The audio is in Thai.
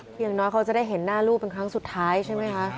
อย่างน้อยเขาจะได้เห็นหน้าลูกเป็นครั้งสุดท้ายใช่ไหมคะ